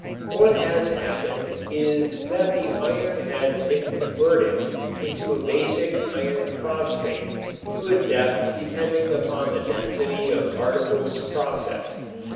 What has happened is that the iron has been converted into a basic iron phosphate to a depth depending upon the density of articles processed.